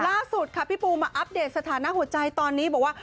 ล่าสุดค่ะพี่ปูมาอัปเดตสถานะหัวใจตอนนี้บอกว่า